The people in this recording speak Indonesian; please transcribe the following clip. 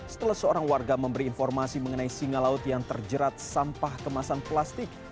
setelah seorang warga memberi informasi mengenai singa laut yang terjerat sampah kemasan plastik